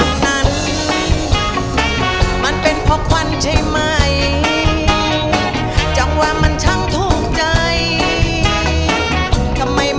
คะแนนข้ามรุ่นของพอร์ชมียี่สิบแปดคะแนนพอร์ชต้องทำอีกหนึ่งร้อยเจ็บสิบสองคะแนนถึงจะผ่านเข้ารอบพอร์ชว่าพอร์ชทำได้ครับ